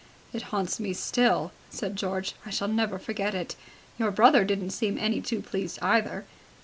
"It haunts me still," said George. "I shall never forget it. Your brother didn't seem any too pleased, either."